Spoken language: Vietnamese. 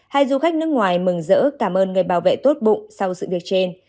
hai du khách nước ngoài mừng giỡn ước cảm ơn người bảo vệ tốt bụng sau sự việc trên